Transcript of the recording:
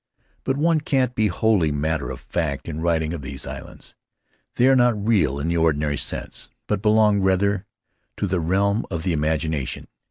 But one can't be wholly matter of fact in writing of these islands. They are not real in the ordinary sense, but belong, rather, to the realm of the imagina tion.